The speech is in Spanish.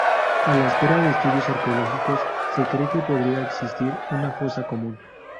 A la espera de estudios arqueológicos, se cree que podría existir una fosa común.